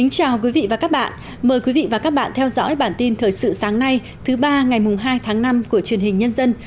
chào mừng quý vị đến với bản tin thời sự sáng nay thứ ba ngày hai tháng năm của truyền hình nhân dân